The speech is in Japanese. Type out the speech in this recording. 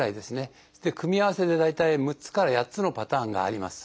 組み合わせで大体６つから８つのパターンがあります。